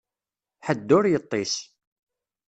Ḥedd ur yeṭṭis.